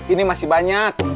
ini masih banyak